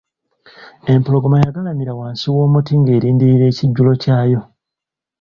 Empologoma yagalamira wansi w'omuti ng'erindirira ekijulo kyayo.